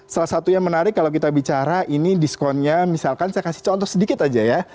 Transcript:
salah satu yang menarik kalau kita bicara ini diskonnya misalkan saya kasih contoh sedikit aja ya